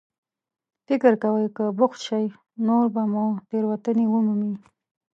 فکر کوئ که بوخت شئ، نور به مو تېروتنې ومومي.